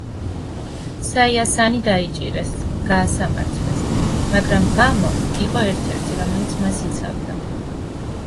საია სანი დაიჭირეს, გაასამართლეს, მაგრამ ბა მო იყო ერთ-ერთი, რომელიც მას იცავდა.